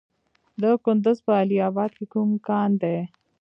د کندز په علي اباد کې کوم کان دی؟